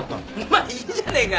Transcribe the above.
まあいいじゃねえか。